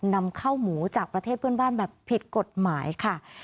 นำข้าวหมูจากประเทศเพื่อนบ้านแบบผิดกฎหมายค่ะ